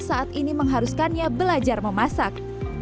saat ini mengharuskannya belajar memasak